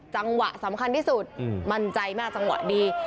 จังหวะสำคัญที่สุดมั่นใจมากจังหวะดี